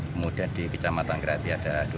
kemudian di kecamatan krati ada dua desa